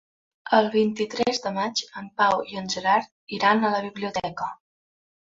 El vint-i-tres de maig en Pau i en Gerard iran a la biblioteca.